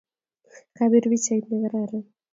Kapir pichait ne kararan